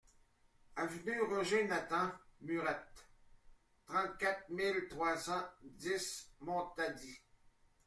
Avenue Roger Nathan Murat, trente-quatre mille trois cent dix Montady